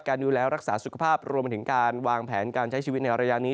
ดูแลรักษาสุขภาพรวมถึงการวางแผนการใช้ชีวิตในระยะนี้